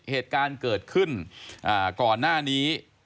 เหตุการณ์เกิดขึ้นก่อนหน้านี้